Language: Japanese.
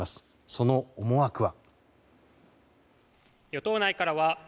その思惑は。